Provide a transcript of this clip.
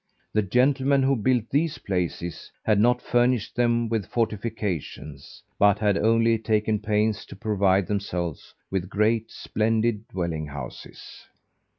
The gentlemen who built these places, had not furnished them with fortifications; but had only taken pains to provide themselves with great, splendid dwelling houses.